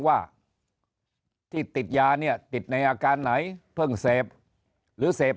ว่าที่ติดยาเนี่ยติดในอาการไหนเพิ่งเสพหรือเสพ